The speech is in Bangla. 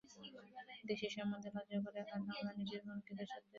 দেশের সম্বন্ধে লজ্জা করে করে আমরা নিজের মনকে দাসত্বের বিষে দুর্বল করে ফেলেছি।